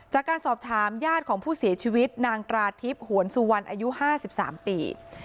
จากการสอบถามญาติของผู้เสียชีวิตนางตราทิพย์หวนสุวรรณอายุ๕๓ปี